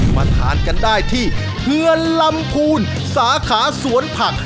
มาทานกันได้ที่เฮือนลำพูนสาขาสวนผัก